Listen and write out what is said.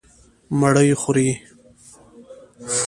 _مړۍ خورې؟